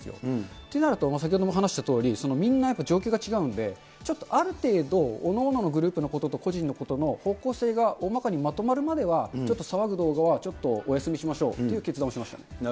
ってなると、先ほども話したとおりみんな状況が違うので、ある程度各々グループのことと、個人のことの方向性が大まかにまとまるまでは、ちょっと騒ぐ動画はちょっとお休みしましょうっていう結論をしました。